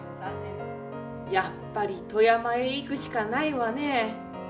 やっぱり富山へ行くしかないわね。